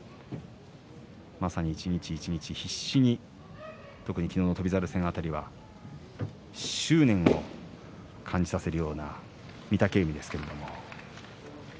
まさに一日一日、必死に特に昨日の翔猿戦辺りは執念を感じさせるような御嶽海ですけれども。